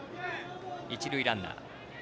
一塁ランナー。